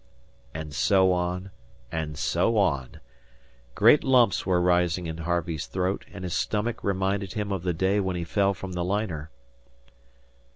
And so on, and so on. Great lumps were rising in Harvey's throat, and his stomach reminded him of the day when he fell from the liner.